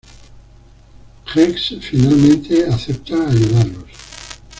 Gex finalmente acepta ayudarlos.